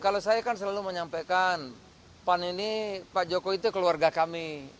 kalau saya kan selalu menyampaikan pan ini pak jokowi itu keluarga kami